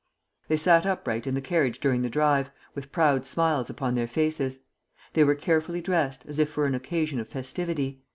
They sat upright in the carriage during the drive, with proud smiles upon their faces. They were carefully dressed, as if for an occasion of festivity.